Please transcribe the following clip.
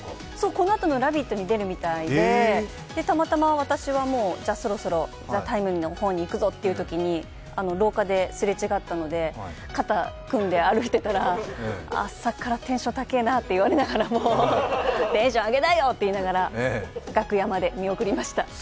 このあとの「ラヴィット！」に出るみたいでたまたま私はもうそろそろ「ＴＨＥＴＩＭＥ，」の方に行くぞというときに、廊下ですれ違ったので、肩を組んで歩いてたら、朝からテンション高えなって言われながらも、テンション上げなよって言いながら楽屋まで見送りました。